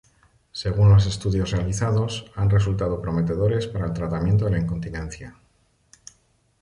Según los estudios realizados, han resultado prometedores para el tratamiento de incontinencia.